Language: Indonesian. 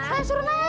saya suruh naik